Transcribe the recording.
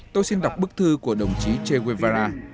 tôi xin đọc bức thư của đồng chí che guevara